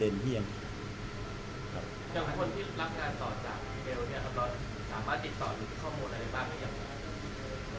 อย่างคนที่รับงานต่อจากเวลาเนี้ยก็สามารถติดต่อดูข้อมูลอะไรบ้างไม่อยากต่ำ